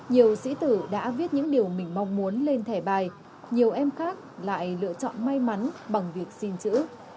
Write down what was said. nhiều sĩ tử đã viết những điều mình mong muốn lên thẻ bài nhiều em khác lại lựa chọn may mắn bằng việc xin chữ